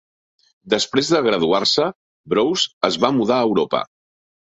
Després de graduar-se, Brose es va mudar a Europa.